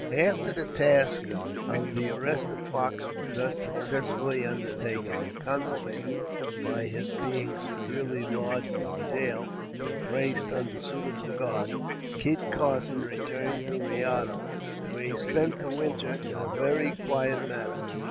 After the task of the arrest of Fox was thus successfully undertaken and consummated, by his being securely lodged in jail and placed under suitable guard, Kit Carson returned to Rayado, where he spent the winter in a very quiet manner.